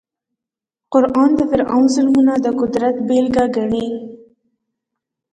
قران د فرعون ظلمونه د قدرت بېلګه ګڼي.